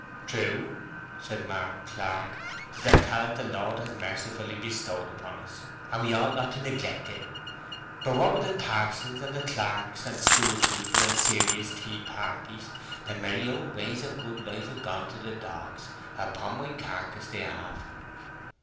"True," said Mark Clark. "'Tis a talent the Lord has mercifully bestowed upon us, and we ought not to neglect it. But, what with the parsons and clerks and school people and serious tea parties, the merry old ways of good life have gone to the dogs—upon my carcase, they have!"